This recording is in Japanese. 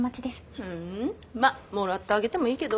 ふんまあもらってあげてもいいけど。